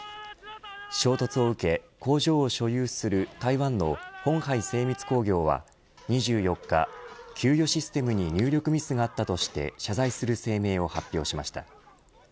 衝突を受け、工場を所有する台湾の鴻海精密工業は２４日、給与システムに入力ミスがあったとして謝罪する声明を発表しました。